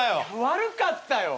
悪かったよ。